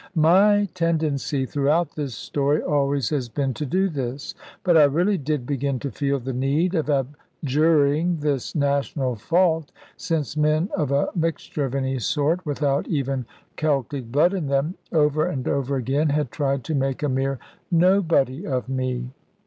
My tendency, throughout this story, always has been to do this. But I really did begin to feel the need of abjuring this national fault, since men of a mixture of any sort, without even Celtic blood in them, over and over again had tried to make a mere nobody of me.